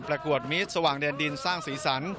ประกวดมิตรสว่างแดนดินสร้างสีสัน